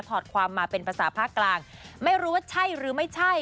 อดความมาเป็นภาษาภาคกลางไม่รู้ว่าใช่หรือไม่ใช่